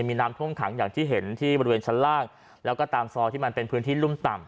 มีน้ำท่วมขังอย่างที่เห็นที่บริเวณชั้นล่างแล้วก็ตามซอยที่มันเป็นพื้นที่รุ่มต่ำ